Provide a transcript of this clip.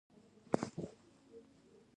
د حاضري کتاب څوک ګوري؟